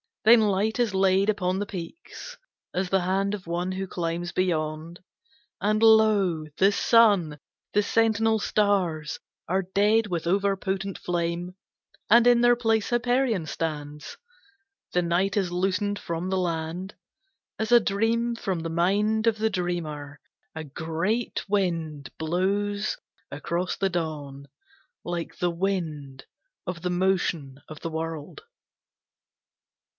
Then light is laid upon the peaks, As the hand of one who climbs beyond; And, lo! the Sun! The sentinel stars Are dead with overpotent flame, And in their place Hyperion stands. The night is loosened from the land, As a dream from the mind of the dreamer. A great wind blows across the dawn, Like the wind of the motion of the world.